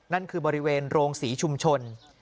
นั่นคือบริเวณโรงศรีชุมชน